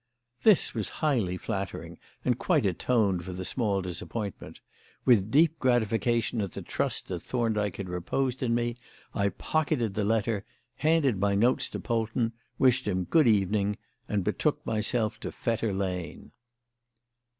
This was highly flattering and quite atoned for the small disappointment; with deep gratification at the trust that Thorndyke had reposed in me, I pocketed the letter, handed my notes to Polton, wished him "Good evening," and betook myself to Fetter Lane.